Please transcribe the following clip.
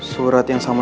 surat yang sama itu